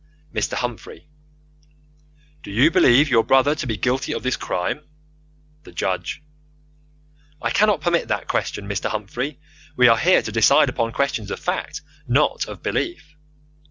Mr. Humphrey: Do you believe your brother to be guilty of this crime? The Judge: I cannot permit that question, Mr. Humphrey. We are here to decide upon questions of fact not of belief.